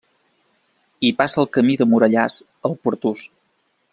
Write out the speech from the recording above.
Hi passa el Camí de Morellàs al Pertús.